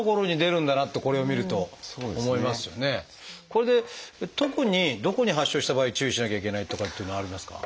これで特にどこに発症した場合注意しなきゃいけないとかっていうのありますか？